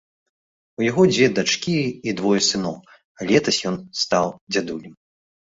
У яго дзве дачкі і двое сыноў, а летась ён стаў дзядулем.